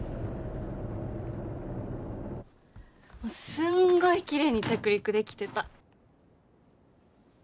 すんごいきれいに着陸できてた。